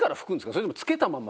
それともつけたまま？